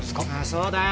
そうだよ